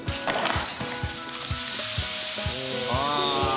ああ！